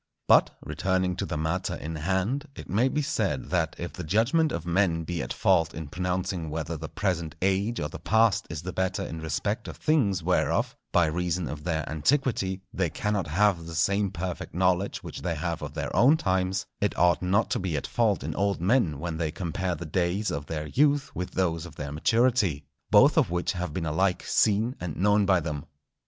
But, returning to the matter in hand, it may be said, that if the judgment of men be at fault in pronouncing whether the present age or the past is the better in respect of things whereof, by reason of their antiquity, they cannot have the same perfect knowledge which they have of their own times, it ought not to be at fault in old men when they compare the days of their youth with those of their maturity, both of which have been alike seen and known by them.